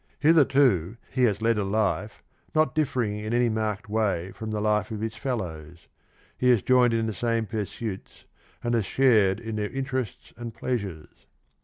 Hitherto he has led a life not differing in any marked way from the life of his fellows ; he has joined in the same pursuits, and has shared in their interests and pleasures.